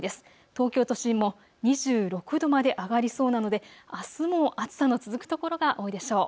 東京都心も２６度まで上がりそうなのであすも暑さの続く所が多いでしょう。